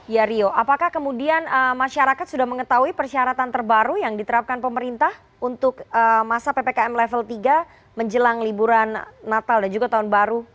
ya rio apakah kemudian masyarakat sudah mengetahui persyaratan terbaru yang diterapkan pemerintah untuk masa ppkm level tiga menjelang liburan natal dan juga tahun baru